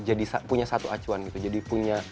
jadi punya satu acuan gitu jadi punya